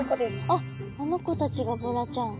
あっあの子たちがボラちゃん。